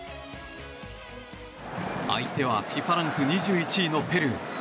相手はＦＩＦＡランク２１位のペルー。